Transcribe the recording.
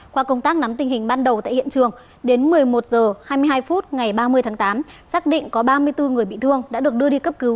qua công tác nắm tình hình ban đầu tại hiện trường đến một mươi một h hai mươi hai phút ngày ba mươi tháng tám xác định có ba mươi bốn người bị thương đã được đưa đi cấp cứu